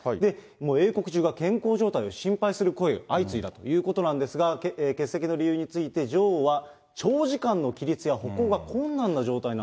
もう英国中が健康状態を心配する声が相次いだということなんですが、欠席の理由について女王は、長時間の起立や歩行が困難な状態だと。